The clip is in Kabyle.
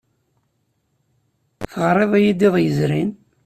Teɣriḍ-iyi-d iḍ yezrin?